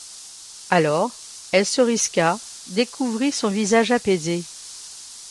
Alors, elle se risqua, découvrit son visage apaisé.